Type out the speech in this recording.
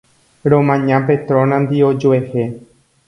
Romaña Petronandi ojuehe